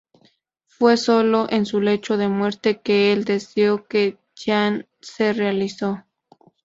Fue sólo en su lecho de muerte que el deseo de Jeanne se realizó.